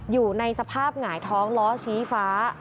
อยู่ในสภาพหงายท้องล้อชี้ฟ้า